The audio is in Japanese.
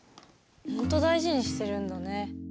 ほんと大事にしてるんだね。